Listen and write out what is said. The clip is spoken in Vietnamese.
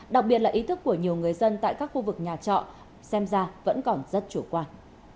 đặc biệt là ý thức của nhiều người dân tại các khu vực nhà trọ xem ra vẫn còn rất chủ quan